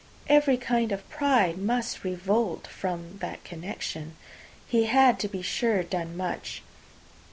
Every kind of pride must revolt from the connection. He had, to be sure, done much.